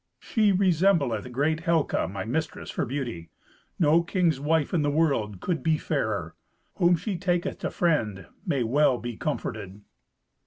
"She resembleth great Helca, my mistress, for beauty. No king's wife in the world could be fairer. Whom she taketh to friend may well be comforted!"